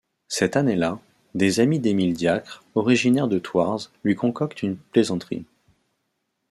Cette année-là, des amis d'Émile Diacre, originaire de Thouars, lui concoctent une plaisanterie.